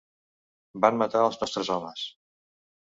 Van matar als nostres homes.